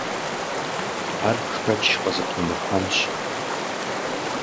Ар шэч къызытумыхьэнщ.